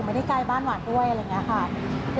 ไม่ได้ไกลบ้านหวานด้วยอะไรอย่างนี้ค่ะ